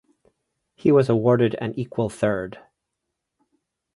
He was awarded an equal third.